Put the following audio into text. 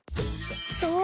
そう！